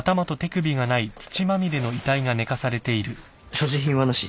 所持品はなし。